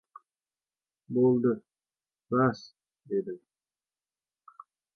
— Bo‘ldi, bas! — dedim.